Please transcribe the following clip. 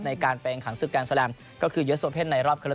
ในการเปลี่ยนขังศึกการสแรมก็คือเยอะส่วนเพศในรอบครับ